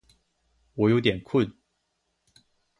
我有点困